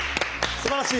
すばらしい！